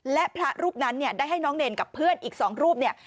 และพระรูปนั้นเนี่ยได้ให้น้องเนรกับเพื่อนอีก๒รูปเนี่ย